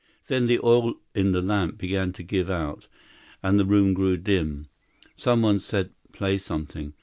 Then the oil in the lamp began to give out, and the room grew dim. Some one said: "Play something!"